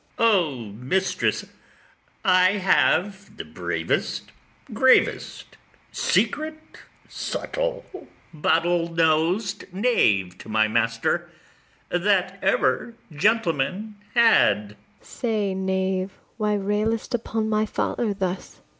O mistress, I have the bravest, gravest, secret, subtle, bottle nosed knave to my master, that ever gentleman had!